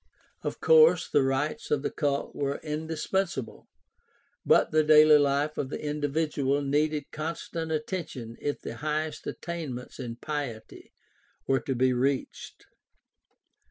Of course the rites of the cult were indispensable, but the daily life of the individual needed constant attention if the highest attainments in piety were to be reached.